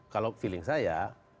kalau feeling saya